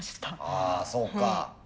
あそうか。